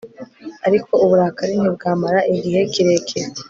ariko uburakari ntibwamara igihe kirekire